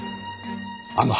あの箱。